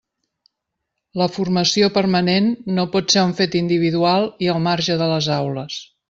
La formació permanent no pot ser un fet individual i al marge de les aules.